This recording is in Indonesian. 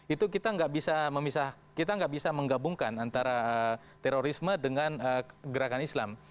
itu kita nggak bisa menggabungkan antara terorisme dengan gerakan islam